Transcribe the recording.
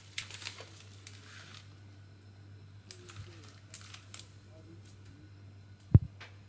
Ndashobora kukwizeza ko ari umwizerwa.